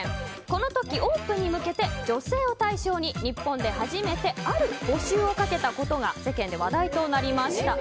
この時、オープンに向けて女性を対象に日本で初めてある募集をかけたことが世間で話題となりました。